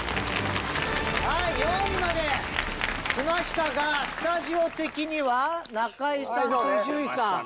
はい４位まできましたがスタジオ的には中居さんと伊集院さん